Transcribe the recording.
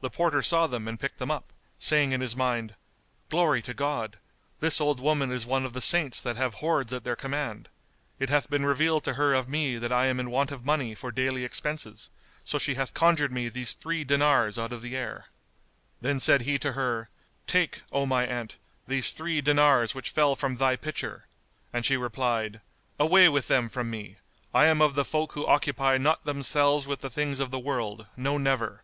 The porter saw them and picked them up, saying in his mind, "Glory to God! This old woman is one of the Saints that have hoards at their command! It hath been revealed to her of me that I am in want of money for daily expenses; so she hath conjured me these three dinars out of the air." Then said he to her, "Take, O my aunt, these three dinars which fell from thy pitcher;" and she replied, "Away with them from me! I am of the folk who occupy not themselves with the things of the world, no never!